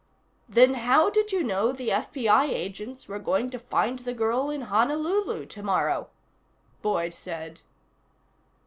"Then how did you know the FBI agents were going to find the girl in Honolulu tomorrow?" Boyd said.